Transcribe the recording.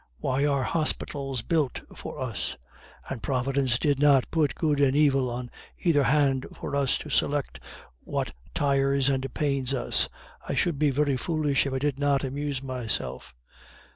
Why are hospitals built for us? And Providence did not put good and evil on either hand for us to select what tires and pains us. I should be very foolish if I did not amuse myself."